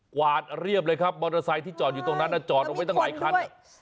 วาดเรียบเลยครับมอเตอร์ไซค์ที่จอดอยู่ตรงนั้นจอดเอาไว้ตั้งหลายคัน